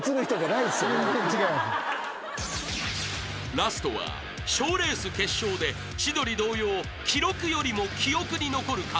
［ラストは賞レース決勝で千鳥同様記録よりも記憶に残る活躍］